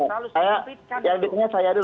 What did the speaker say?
saya ya ini pertanyaan saya dulu